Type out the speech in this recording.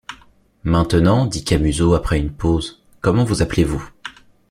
Maintenant, dit Camusot après une pause, comment vous appelez-vous?